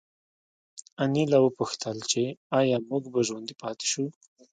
انیلا وپوښتل چې ایا موږ به ژوندي پاتې شو